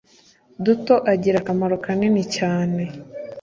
duto agira akamaro kanini cyane.